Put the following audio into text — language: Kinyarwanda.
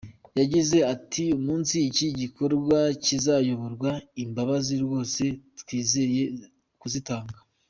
Yagize ati “Umunsi iki gikorwa kizayoborwa, imbabazi rwose twizeye kuzitanga.”